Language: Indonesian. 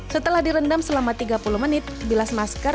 setelah direndam selama tiga puluh menit bilas masker